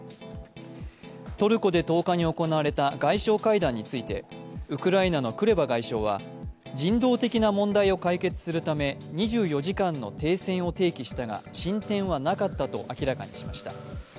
トルコで１０日に行われた外相会談について、ウクライナのクレバ外相は人道的な問題を解消するため２４時間の停戦を提起したが進展はなかったと明らかにしました。